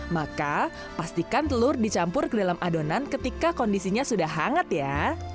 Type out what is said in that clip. maka pastikan telur dicampur ke dalam adonan ketika kondisinya sudah hangat ya